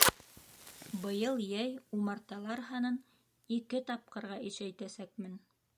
Быйыл йәй умарталар һанын ике тапҡырға ишәйтәсәкмен!